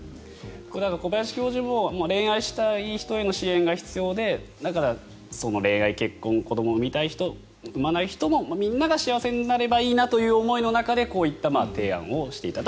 小林教授も恋愛したい人への支援が必要でだから、恋愛、結婚子どもを生みたい人生まない人もみんなが幸せになればいいなという思いでこういう提案をしていた。